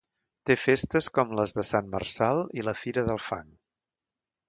Té festes com les de Sant Marçal i la Fira del Fang.